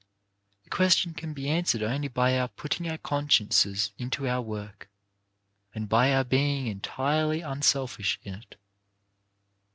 The question can be answered only by our putting our consciences into our work, and by our being entirely unselfish in it.